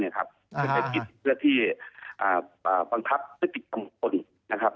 เป็นพิษเพื่อที่บังคับพฤติกรรมคน